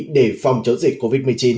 để phòng chống dịch covid một mươi chín